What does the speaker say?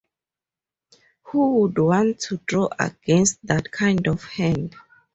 Who would want to draw against that kind of hand?